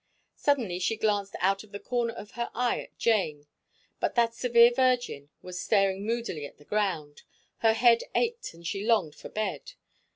Suddenly she glanced out of the corner of her eye at Jane, but that severe virgin was staring moodily at the ground; her head ached and she longed for bed.